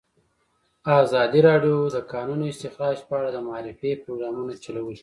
ازادي راډیو د د کانونو استخراج په اړه د معارفې پروګرامونه چلولي.